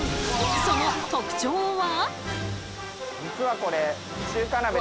その特徴は？